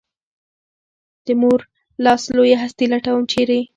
د مور لاس لویه هستي لټوم ، چېرې؟